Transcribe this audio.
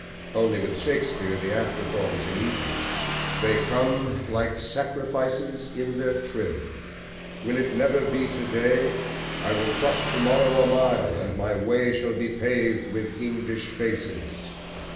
Only, with Shakespeare, the afterthought is immediate: They come like sacrifices in their trim. Will it never be to day? I will trot to morrow a mile, and my way shall be paved with English faces.